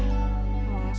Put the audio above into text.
gua ngerjain dia